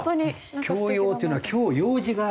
「教養」っていうのは「きょう用事がある」？